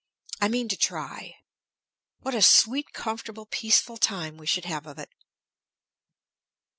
I mean to try. What a sweet, comfortable, peaceful time we should have of it!"